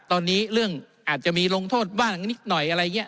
ตอนนี้เรื่องอาจจะมีลงโทษบ้างนิดหน่อยอะไรอย่างนี้